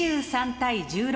２３対１６。